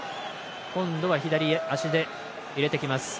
今度は左足で入れてきます。